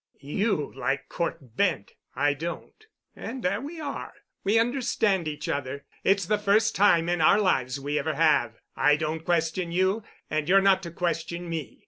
You like Cort Bent. I don't. And there we are. We understand each other. It's the first time in our lives we ever have. I don't question you, and you're not to question me.